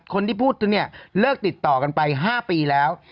คนที่พูดเนี่ยเลิกติดต่อกันไป๕ปีแล้ว